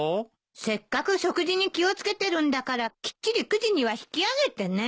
せっかく食事に気を付けてるんだからきっちり９時には引き揚げてね。